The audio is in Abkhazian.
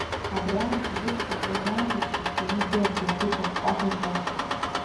Абри аамҭазыҵәҟьа уажәраанӡа зҽырхианы игылаз гәыԥҩык аҟәҟәаҳәа ихысит.